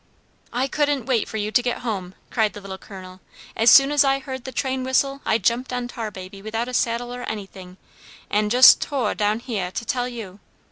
"I couldn't wait for you to get home," cried the Little Colonel. "As soon as I heard the train whistle I jumped on Tarbaby without a saddle or anything, and just toah down heah to tell you.